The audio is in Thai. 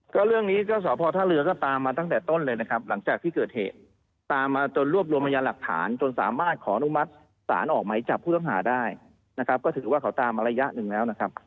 ก็เรื่องนี้ก็สพท่าเรือก็ตามมาตั้งแต่ต้นเลยนะครับหลังจากที่เกิดเหตุตามมาจนรวบรวมพยานหลักฐานจนสามารถขออนุมัติศาลออกไหมจับผู้ต้องหาได้นะครับก็ถือว่าเขาตามมาระยะหนึ่งแล้วนะครับ